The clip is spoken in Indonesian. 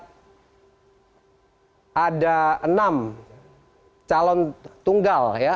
kita lihat ada enam calon tunggal ya